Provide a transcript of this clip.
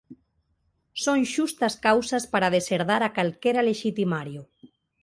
Son xustas causas para desherdar a calquera lexitimario